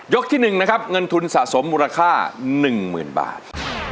ที่๑นะครับเงินทุนสะสมมูลค่า๑๐๐๐บาท